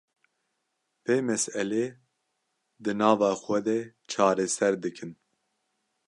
vê meselê di nava xwe de çareser dikin